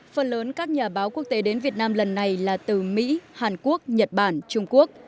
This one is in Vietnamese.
phần lớn các nhà báo quốc tế đến việt nam lần này là từ mỹ hàn quốc nhật bản trung quốc